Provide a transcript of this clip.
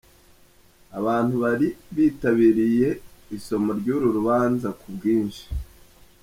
Abantu bari bitabiriye isoma ry’uru rubanza ku bwinshi.